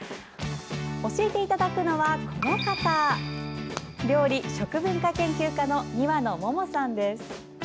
教えていただくのはこの方料理・食文化研究家の庭乃桃さんです。